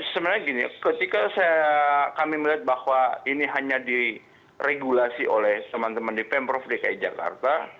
sebenarnya gini ketika kami melihat bahwa ini hanya diregulasi oleh teman teman di pemprov dki jakarta